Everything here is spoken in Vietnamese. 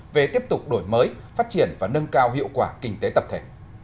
về tiếp tục đổi mới phát triển và nâng cao hiệu quả kinh tế tập thể